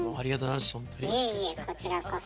いえいえこちらこそ。